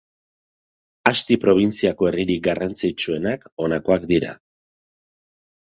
Asti probintziako herririk garrantzitsuenak honakoak dira.